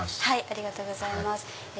ありがとうございます。